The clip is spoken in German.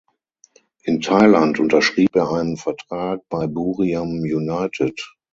In Thailand unterschrieb er einen Vertrag bei Buriram United.